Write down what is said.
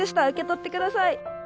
受け取ってください。